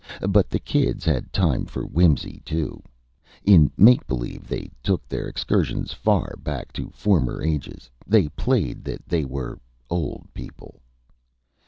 But the kids had time for whimsy, too. In make believe, they took their excursions far back to former ages. They played that they were "Old People."